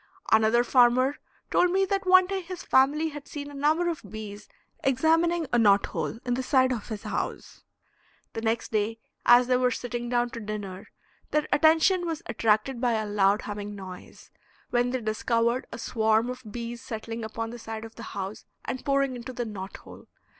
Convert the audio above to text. Another farmer told me that one day his family had seen a number of bees examining a knot hole in the side of his house; the next day as they were sitting down to dinner their attention was attracted by a loud humming noise, when they discovered a swarm of bees settling upon the side of the house and pouring into the knot hole.